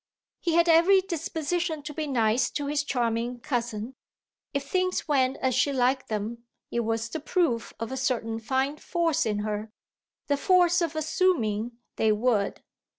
He had every disposition to be nice to his charming cousin; if things went as she liked them it was the proof of a certain fine force in her the force of assuming they would.